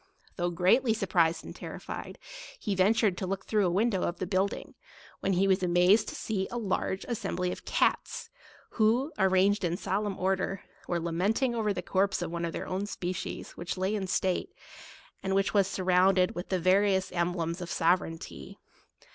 Though greatly surprised and terrified, he ventured to look through a window of the building, when he was amazed to see a large assembly of cats, who, arranged in solemn order, were lament ing over the corpse of one of their own spe cies, which lay in state, and was surrounded with the various emblems of sovereignty.